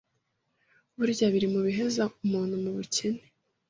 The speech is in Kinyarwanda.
burya biri mu biheza umuntu mu bukene.